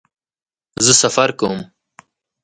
زه سفر کوم